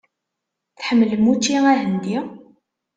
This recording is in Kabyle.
Tḥemmlem učči ahendi?